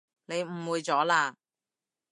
你誤會咗喇